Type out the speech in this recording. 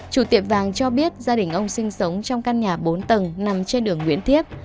chủ tiệm vàng cho biết gia đình ông sinh sống trong căn nhà bốn tầng nằm trên đường nguyễn tiếp